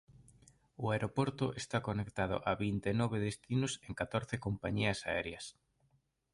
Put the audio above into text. O aeroporto está conectado a vinte e nove destinos en catorce compañías aéreas.